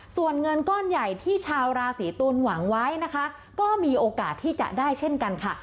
ส่วนเงินก้อนใหญ่ที่ชาวราศีตุลหวังไว้นะคะก็มีโอกาสที่จะได้เช่นกันค่ะ